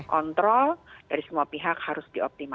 kontrol dari semua pihak harus dioptimalkan